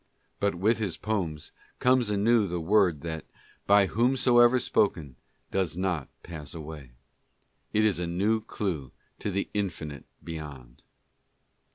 But with his poems comes anew the word that, by whomsoever spoken, does not pass away. It is a new clue to the Infinite beyond.